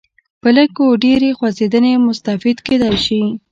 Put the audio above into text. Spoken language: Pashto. په لږ و ډېرې خوځېدنې مستفید کېدای شي.